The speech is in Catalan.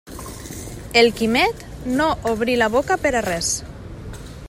El Quimet no obri la boca per a res.